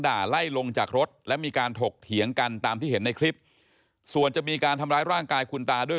ไล่ลงจากรถและมีการถกเถียงกันตามที่เห็นในคลิปส่วนจะมีการทำร้ายร่างกายคุณตาด้วย